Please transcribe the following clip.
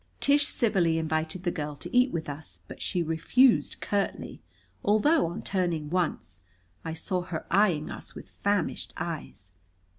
Tish civilly invited the girl to eat with us, but she refused curtly, although, on turning once, I saw her eyeing us with famished eyes.